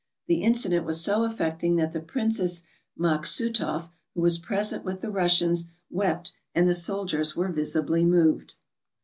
The incident was so affecting that the Princess Maksutoff, who was present with the Russians, wept, and the soldiers were visibly moved.